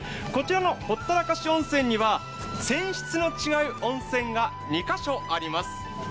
こちらのほったらかし温泉には泉質の違う温泉が２カ所あります。